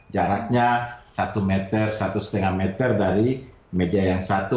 jaraknya satu meter satu lima meter dari meja yang satu